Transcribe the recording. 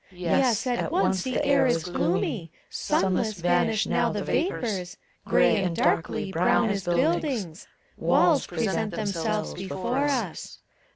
Yes, at once the air is gloomy, sunless vanish now the vapors, Gray and darkly, brown as buildings. Walls present themselves before us.